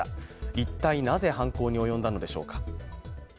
一体なぜ犯行に及んだのでしょうか。